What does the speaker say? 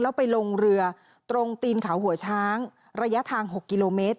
แล้วไปลงเรือตรงตีนเขาหัวช้างระยะทาง๖กิโลเมตร